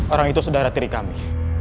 orang itu saudara tiri kami